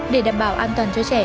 để đảm bảo an toàn cho trẻ